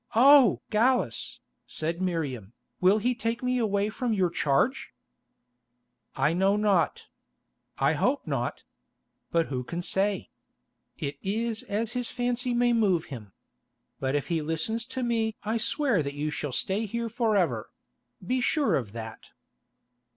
"Oh! Gallus," said Miriam, "will he take me away from your charge?" "I know not. I hope not. But who can say? It is as his fancy may move him. But if he listens to me I swear that you shall stay here for ever; be sure of that."